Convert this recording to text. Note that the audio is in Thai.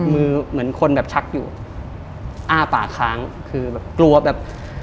เหมือนคนแบบชักอยู่อ้าปากค้างคือแบบกลัวแบบ